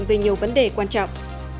về nhiều vấn đề quan trọng